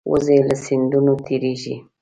وزې له سیندونو تېرېږي